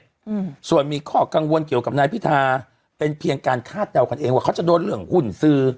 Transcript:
อืมส่วนมีข้อกังวลเกี่ยวกับนายพิธาเป็นเพียงการคาดเดากันเองว่าเขาจะโดนเรื่องหุ้นสื่อ